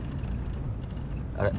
あれ？